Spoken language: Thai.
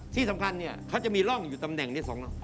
ที่สำคัญเขาจะมีร่องอยู่ตำแหน่งนี้๒นอก